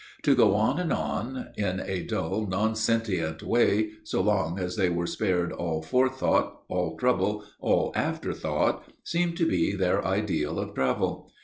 To go on and on, in a dull, non sentient way, so long as they were spared all forethought, all trouble, all afterthought, seemed to be their ideal of travel.